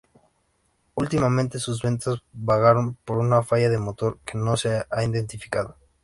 Últimamente sus ventas bajaron por una falla de motor que no se ha identificado.